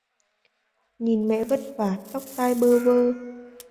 Nhìn mẹ vất vả tóc tại Bơ Vơ